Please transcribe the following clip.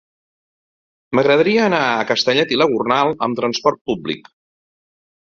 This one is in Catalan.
M'agradaria anar a Castellet i la Gornal amb trasport públic.